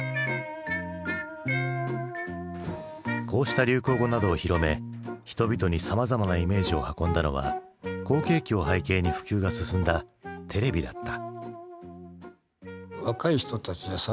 こうした流行語などを広め人々にさまざまなイメージを運んだのは好景気を背景に普及が進んだテレビだった。